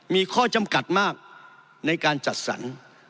มีข้อจำกัดมากในการจัดสรร